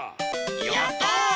やった！